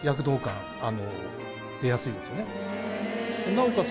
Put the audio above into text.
なおかつ